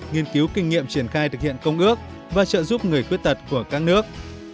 nghiên cứu kinh nghiệm triển khai thực hiện công ước và trợ giúp người khuyết tật của các nước